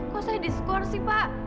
kok saya diskorsi pak